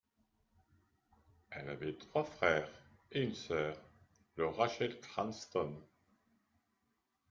Elle avait trois frères et une sœur, le Rachel Cranston.